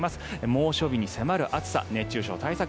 猛暑日に迫る暑さ熱中症対策